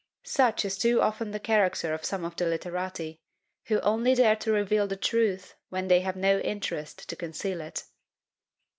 Such is too often the character of some of the literati, who only dare to reveal the truth, when they have no interest to conceal it.